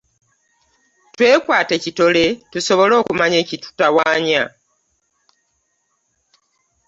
Twekwate kitole tusobole okumanya ekitutawaanya.